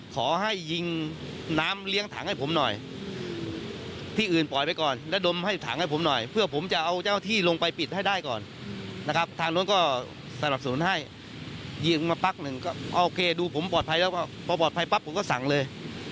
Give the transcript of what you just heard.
ขอให้ยิงน้ำเลี้ยงถังให้ผมหน่อยที่อื่นปล่อยไปก่อนแล้วดมให้ถังให้ผมหน่อยเพื่อผมจะเอาเจ้าที่ลงไปปิดให้ได้ก่อนนะครับทางโน้นก็สนับสนุนให้ยิงมาปั๊บหนึ่งก็โอเคดูผมปลอดภัยแล้วก็พอปลอดภัยปั๊บผมก็สั่งเลย